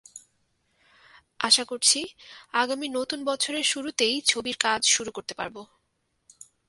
আশা করছি, আগামী নতুন বছরের শুরুতেই ছবির কাজ শুরু করতে পারব।